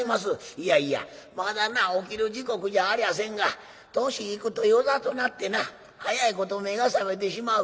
「いやいやまだな起きる時刻じゃありゃせんが年いくと夜聡なってな早いこと目が覚めてしまう。